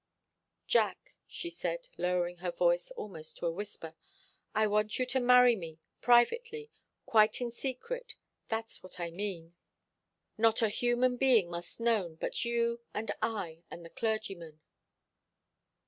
"Jack," she said, lowering her voice almost to a whisper, "I want you to marry me privately quite in secret that's what I mean. Not a human being must know, but you and I and the clergyman."